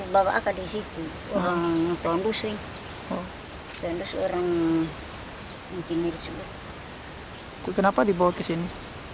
bawa aku disitu orang orang busing dan orang orang yang timur kenapa dibawa ke sini